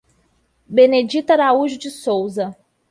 Benedita Araújo de Sousa